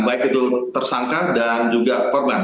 baik itu tersangka dan juga korban